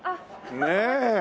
ねえ。